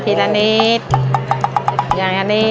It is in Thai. พี่ดาขายดอกบัวมาตั้งแต่อายุ๑๐กว่าขวบ